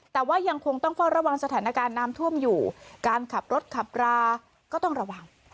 แต่ว่ายังคงต้องเฝ้าระวังสถานการณ์น้ำท่วมอยู่การขับรถขับราก็ต้องระวัง